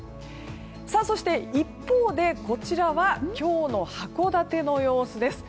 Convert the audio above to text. そして、一方でこちらは今日の函館の様子です。